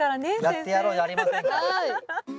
やってやろうじゃありませんか。